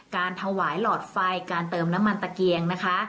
การถวายหลอดไฟการเติมน้ำมันตะเกียงนะคะ